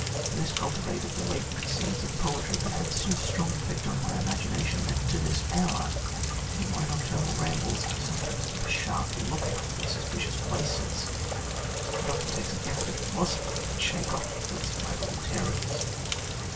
This cultivated the latent seeds of poetry, but had so strong an effect on my imagination, that to this hour, in my nocturnal rambles, I sometimes keep a sharp look out in suspicious places; it often takes an effort of philosophy to shake off these idle terrors."